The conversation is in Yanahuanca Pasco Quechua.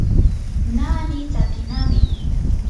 naani tsakinami.